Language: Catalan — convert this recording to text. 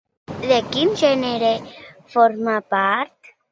De quin gènere forma part?